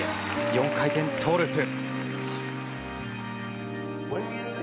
４回転トウループ。